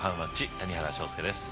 谷原章介です。